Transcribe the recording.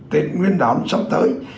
tết nguyên đám sắp tới